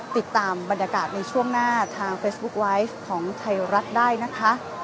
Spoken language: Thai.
ติดตามบรรยากาศในช่วงหน้าทางเฟซบุ๊คไวท์ของไทยรัฐได้นะคะ